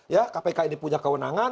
ya kpk ini punya kewenangan